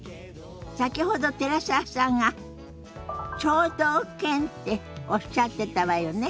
先ほど寺澤さんが聴導犬っておっしゃってたわよね。